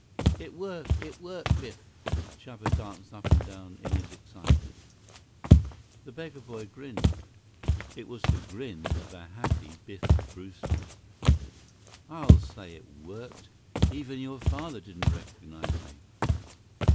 "It work. It work! Biff!" Chuba danced up and down in his excitement. The beggar boy grinned. It was the grin of a happy Biff Brewster. "I'll say it worked. Even your father didn't recognize me."